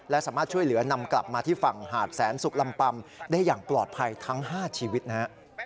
และสามารถช่วยเหลือนำกลับมาที่ฝั่งหาดแสนสุกลำปำได้อย่างปลอดภัยทั้ง๕ชีวิตนะฮะ